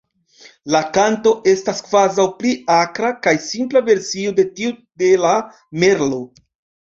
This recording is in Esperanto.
La kanto estas kvazaŭ pli akra kaj simpla versio de tiu de la Merlo.